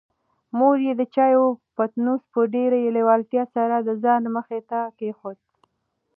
مور یې د چایو پتنوس په ډېرې لېوالتیا سره د ځان مخې ته کېښود.